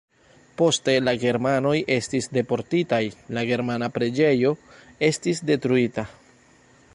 Poste la germanoj estis deportitaj, la germana preĝejo estis detruita.